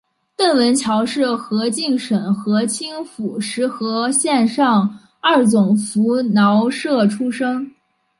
邓文乔是河静省河清府石河县上二总拂挠社出生。